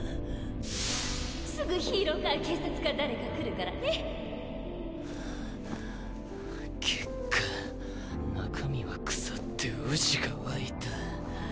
すぐヒーローか警察か誰か来るからねハァハァ結果中身は腐って蛆が湧いた。